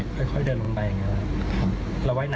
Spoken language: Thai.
เป็นไง